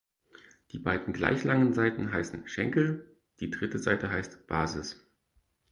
Die beiden gleich langen Seiten heißen "Schenkel", die dritte Seite heißt "Basis".